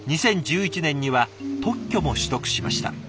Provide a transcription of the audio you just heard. ２０１１年には特許も取得しました。